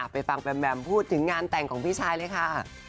ไปฟังแมมแมมพูดถึงงานแต่งของพี่ชายเลยค่ะ